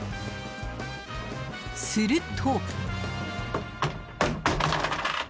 すると。